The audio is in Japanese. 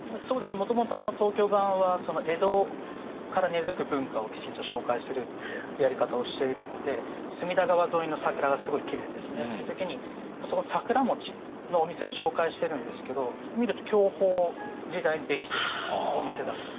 もともと東京版は江戸から根づく文化をきちんと紹介するってやり方をしているので隅田川沿いの桜がすごいきれいですねっていう時にその桜のお店を紹介してるんですけど見ると享保時代に出来てるお店だったり。